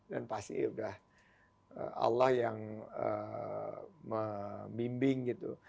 dan pasti sudah allah yang membimbing gitu